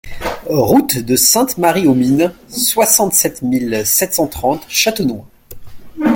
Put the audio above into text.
Route de Sainte-Marie-aux-Mines, soixante-sept mille sept cent trente Châtenois